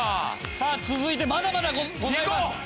さあ続いてまだまだございます。